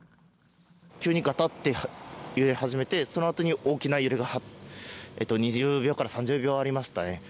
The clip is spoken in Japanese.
急にがたって揺れ始めて、そのあとに大きな揺れが２０秒から３０秒ありましたね。